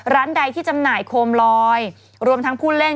ร้านใดที่จำหน่ายโคมลอยรวมทั้งผู้เล่น